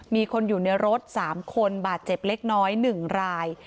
มีคนอยู่ในรถสามคนบาทเจ็บเล็กน้อยหนึ่งราย